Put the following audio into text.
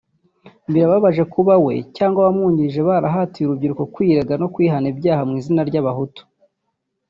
Birababaje kuba we cyangwa abamwungirije barahatiye urubyiruko kwirega no kwihana ibyaha mu izina ry’Abahutu